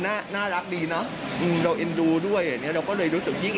น่าน่ารักดีนะอืมเราด้วยอย่างเงี้ยเราก็เลยรู้สึกยิ่ง